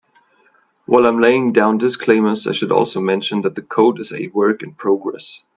While I'm laying down disclaimers, I should also mention that the code is a work in progress.